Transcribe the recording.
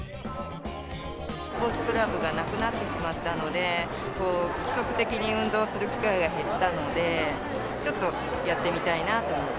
スポーツクラブがなくなってしまったので、規則的に運動する機会が減ったので、ちょっとやってみたいなあと思って。